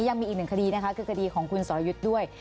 ยังมีอีกหนึ่งคดีนะคะคือคดีของคุณสรยุทธ์ด้วย